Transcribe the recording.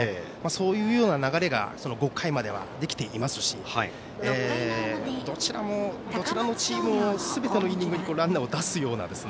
そういうような流れが５回まではできていますしどちらのチームもすべてのイニングでランナーを出すような。